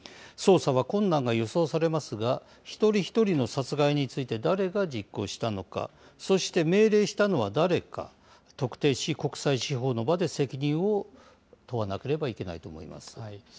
捜査は困難が予想されますが、一人一人の殺害について誰が実行したのか、そして命令したのは誰か、特定し、国際司法の場で責任を問わなければいけないと思います。